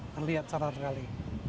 terlihat secara sekali